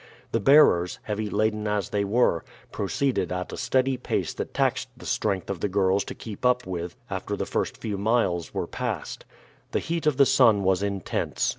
The bearers, heavy laden as they were, proceeded at a steady pace that taxed the strength of the girls to keep up with after the first few miles were passed. The heat of the sun was intense.